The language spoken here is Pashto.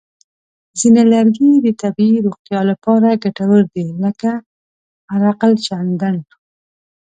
ځینې لرګي د طبیعي روغتیا لپاره ګټور دي، لکه عرقالچندڼ.